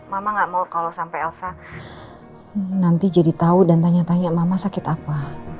mama gak mau kalau sampai elsa nanti jadi tahu dan tanya tanya mama sakit apa